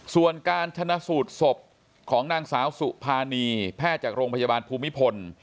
ส่วนการชนะสูตรศพของนางสาวสุภานีแพทย์จากโรงพยาบาลภูมิพล